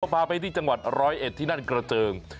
พาไปที่จังหวัดร้อยเอ็ดที่นั่นกระเจิง